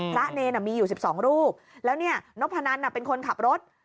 เนรมีอยู่๑๒รูปแล้วเนี่ยนกพนันเป็นคนขับรถ